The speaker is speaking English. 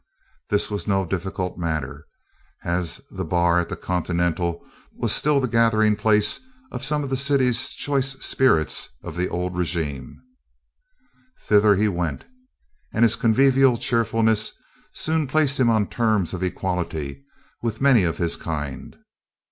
This was no difficult matter, as the bar of the Continental was still the gathering place of some of the city's choice spirits of the old regime. Thither he went, and his convivial cheerfulness soon placed him on terms of equality with many of his kind.